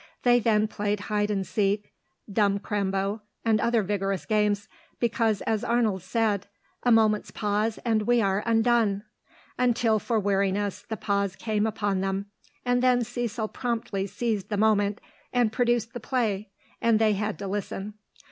They then played hide and seek, dumb crambo, and other vigorous games, because as Arnold said, "A moment's pause, and we are undone," until for weariness the pause came upon them, and then Cecil promptly seized the moment and produced the play, and they had to listen.